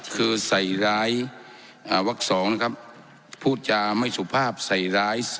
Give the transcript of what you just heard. คือใส่ร้ายวัก๒นะครับพูดจาไม่สุภาพใส่ร้าย